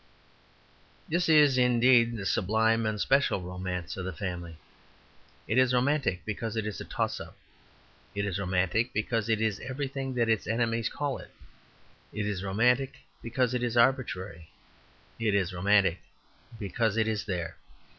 This is, indeed, the sublime and special romance of the family. It is romantic because it is a toss up. It is romantic because it is everything that its enemies call it. It is romantic because it is arbitrary. It is romantic because it is there.